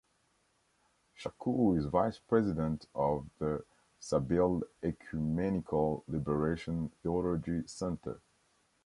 Chacour is vice president of the Sabeel Ecumenical Liberation Theology Center.